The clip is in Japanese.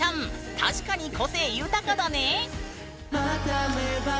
確かに個性豊かだね！